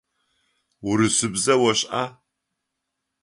Урысыбзэ ошӏа?